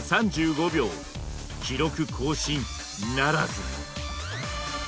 記録更新ならず。